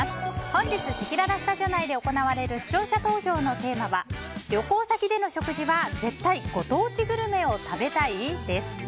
本日、せきららスタジオ内で行われる視聴者投票のテーマは旅行先での食事は絶対ご当地グルメを食べたい？です。